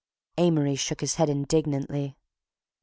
Amory shook his head indignantly.